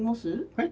はい？